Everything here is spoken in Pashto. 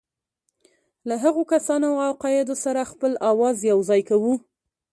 له هغو کسانو او عقایدو سره خپل آواز یوځای کوو.